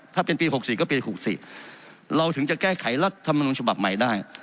ถ้าเป็นปี๖๔ก็ปี๖๔เราถึงจะแก้ไขรัฐมนุนฉบับใหม่ได้